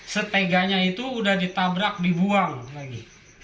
seteganya itu udah ditabrak dibuang lagi